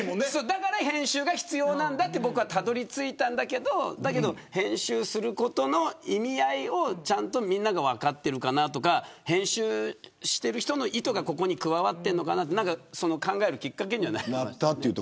だから編集が必要なんだとたどり着いたんですが編集することの意味合いをちゃんと、みんなが分かっているかなとか編集している人の意図がここに加わっているのかなと考えるきっかけにはなりました。